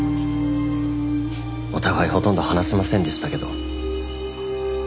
お互いほとんど話しませんでしたけど。